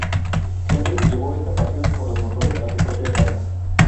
Henry llevó esta pasión por los motores a su propia casa.